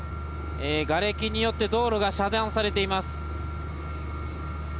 がれきによって道路が遮断されています。